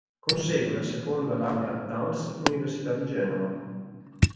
Consegue la seconda laurea al Dams Università di Genova.